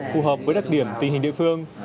phù hợp với đặc điểm tình hình địa phương